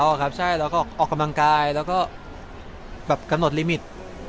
เราก็คำนึงอยู่แล้วครับออกกำลังกายแล้วก็แบบกำหนดลิมิต